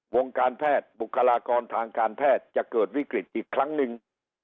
วงการแพทย์บุคลากรทางการแพทย์จะเกิดวิกฤตอีกครั้งหนึ่ง